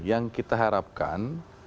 yang kita harapkan